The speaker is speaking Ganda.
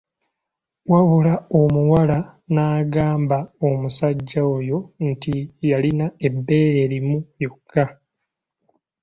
Wabula omuwala n'agamba omusajja oyo nti yalina ebbeere limu lyokka.